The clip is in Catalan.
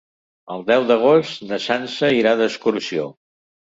El deu d'agost na Sança irà d'excursió.